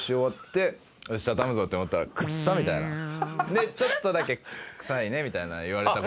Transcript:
でちょっとだけ臭いねみたいな言われた事は。